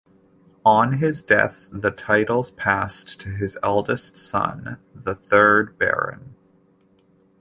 On his death the titles passed to his eldest son, the third Baron.